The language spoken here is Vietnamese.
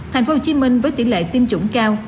thành phố hồ chí minh với tỷ lệ tiêm chủng cao